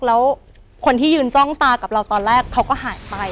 แล้วคนที่ยืนจ้องตากับเราตอนแรกเขาก็หายไป